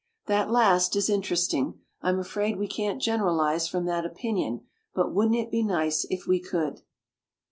That last is interesting. I'm afraid we can't generalize from that opinion ; but wouldn't it be nice if we could